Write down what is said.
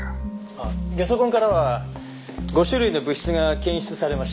あっゲソ痕からは５種類の物質が検出されました。